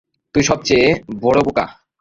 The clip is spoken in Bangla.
তুই সবচেয়ে বড়ো বোকা।